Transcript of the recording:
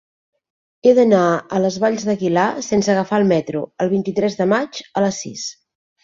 He d'anar a les Valls d'Aguilar sense agafar el metro el vint-i-tres de maig a les sis.